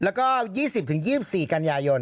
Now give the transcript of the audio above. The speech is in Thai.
แล้วก็๒๐๒๔กันยายน